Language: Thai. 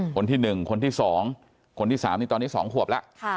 คนที่หนึ่งคนที่สองคนที่สามตอนนี้สองหัวควบละค่ะ